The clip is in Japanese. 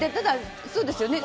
そうですよね。